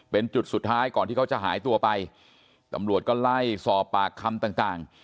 เป็นจุดสุดท้ายก่อนที่เขาจะหายตัวไปตำรวจก็ไล่สอบปากคำต่างต่าง